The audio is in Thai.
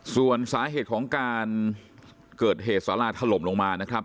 ส่วนสาเหตุของการเกิดเหตุสาราถล่มลงมานะครับ